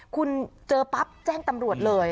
คุณเจอปั๊บแจ้งตำรวจเลย